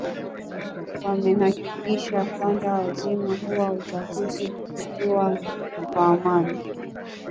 wameihakikishia kanda nzima kuwa uchaguzi utakuwa wa amani